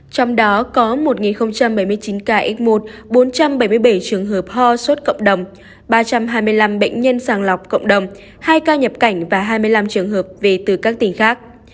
trong đó có một bảy mươi chín ca x một bốn trăm bảy mươi bảy trường hợp ho sốt cộng đồng ba trăm hai mươi năm bệnh nhân sàng lọc cộng đồng hai ca nhập cảnh và hai mươi năm trường hợp về từ các tỉnh khác